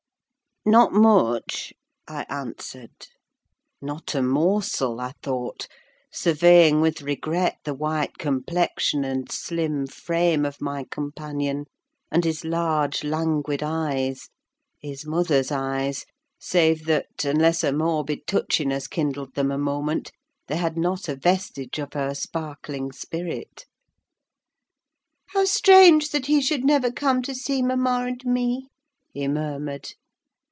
"Not much," I answered: not a morsel, I thought, surveying with regret the white complexion and slim frame of my companion, and his large languid eyes—his mother's eyes, save that, unless a morbid touchiness kindled them a moment, they had not a vestige of her sparkling spirit. "How strange that he should never come to see mamma and me!" he murmured.